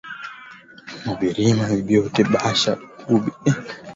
Na birima byote basha kubi uijisha